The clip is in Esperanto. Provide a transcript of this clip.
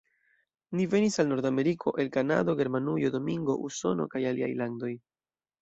Ni venis al Nord-Ameriko el Kanado, Germanujo, Domingo, Usono, kaj aliaj landoj.